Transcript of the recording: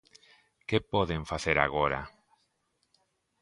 ¿Que poden facer agora?